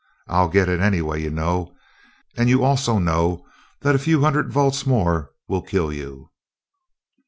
I'll get it anyway, you know and you also know that a few hundred volts more will kill you."